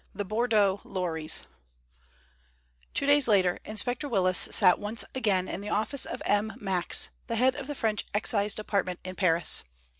THE BORDEAUX LORRIES Two days later Inspector Willis sat once again in the office of M. Max, the head of the French Excise Department in Paris.